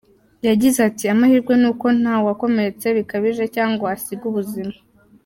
Yagize ati, “Amahirwe ni uko nta wakomeretse bikabije cyangwa ngo ahasige ubuzima.